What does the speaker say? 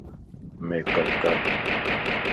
ميڪ اپ ڪر